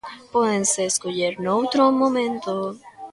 Pódense escoller noutro momento.